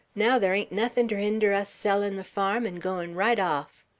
Now there ain't nuthin' ter hinder sellin' the farm 'n goin' right off."